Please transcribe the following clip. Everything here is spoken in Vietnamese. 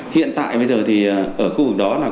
hiện tại bây giờ thì ở khu vực đó là